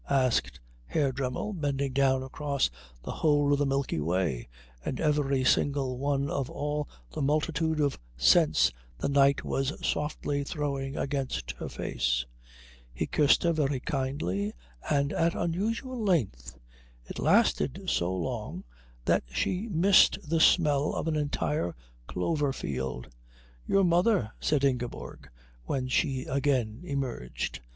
asked Herr Dremmel, bending down across the whole of the Milky Way and every single one of all the multitude of scents the night was softly throwing against her face. He kissed her very kindly and at unusual length. It lasted so long that she missed the smell of an entire clover field. "Your mother," said Ingeborg, when she again emerged.